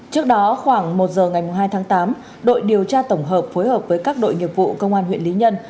trước đó khoảng một giờ ngày hai tháng tám đội điều tra tổng hợp phối hợp với các đội nghiệp vụ công an huyện lý nhân